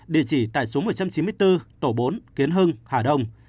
địa chỉ tại số một trăm chín mươi bốn tổ bốn kiến hưng hà đông